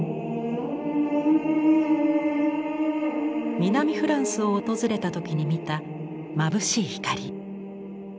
南フランスを訪れた時に見たまぶしい光。